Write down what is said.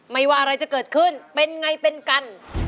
ว่าอะไรจะเกิดขึ้นเป็นไงเป็นกัน